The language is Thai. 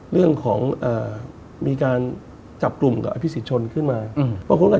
เรื่องของมีการจับกลุ่มกับอภิกษิชนขึ้นมา